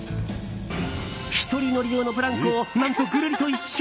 １人乗り用のブランコを何と、ぐるりと一周。